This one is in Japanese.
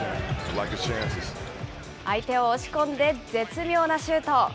相手を押し込んで絶妙なシュート。